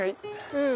うん。